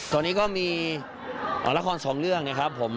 ตอนนี้ก็มีละครสองเรื่องนะครับผม